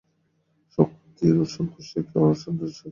শক্তির সন্তোষই কী, আর অসন্তোষই বা কী?